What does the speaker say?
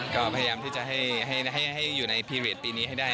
ก็พยายามจะให้อยู่ในปีฤทธิ์ปีนี้ให้ได้